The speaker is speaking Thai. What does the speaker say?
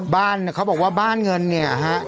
เขาบอกว่าบ้านเงินเนี่ยฮะ